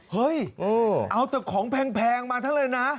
เฮ้ยเอาแต่ของแพงมาทั้งเลยนะ